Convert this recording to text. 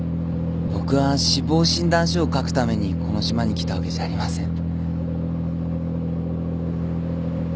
僕は死亡診断書を書くためにこの島に来たわけじゃありません。